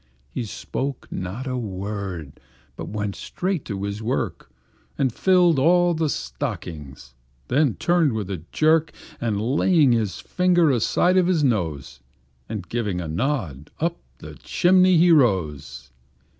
He spoke not a word, but went straight to his work, And filled all the stockings; then turned with a jerk, And laying his finger aside of his nose, And giving a nod, up the chimney he rose.